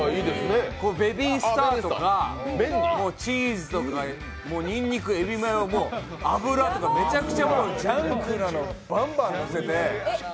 ベビースターとかチーズとかにんにく、エビマヨ、脂とかめちゃくちゃジャンクなのをどんどんのせて。